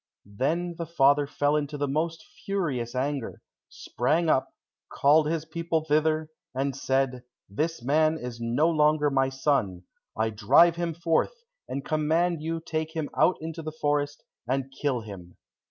Then the father fell into the most furious anger, sprang up, called his people thither, and said, "This man is no longer my son, I drive him forth, and command you to take him out into the forest, and kill him."